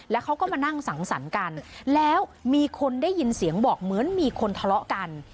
แล้วเขาก็มานั่งสังสรรค์กันแล้วมีคนได้ยินเสียงบอกเหมือนมีคนทะเลาะกัน